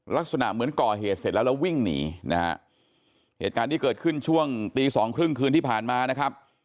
ลักษณะเหมือนก่อเหตุเสร็จแล้วแล้ววิ่งหนีนะฮะเหตุการณ์ที่เกิดขึ้นช่วงตีสองครึ่งคืนที่ผ่านมานะครับ